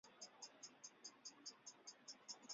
光果毛翠雀花为毛茛科翠雀属下的一个变种。